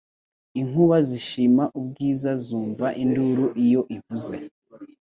Inkuba zishima ubwiza Zumva induru iyo ivuze